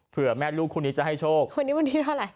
เพื่อแม่ลูกคู่นี้จะให้โชควันนี้วันที่เท่าไหร